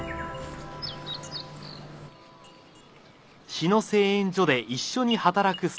志野製塩所で一緒に働くスタッフ。